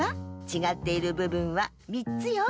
ちがっているぶぶんは３つよ。